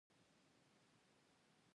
هغوی د سړک پر غاړه د پاک هیلې ننداره وکړه.